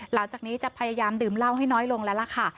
หลังจากนี้จะพยายามดื่มเหล้าให้น้อยลงแล้วล่ะค่ะ